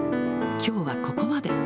きょうはここまで。